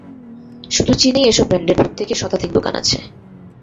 শুধু চীনেই এসব ব্র্যান্ডের প্রত্যেকের শতাধিক দোকান আছে।